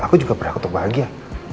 aku juga berhak untuk bahagia